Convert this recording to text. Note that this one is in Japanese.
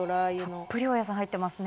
たっぷりお野菜入ってますね。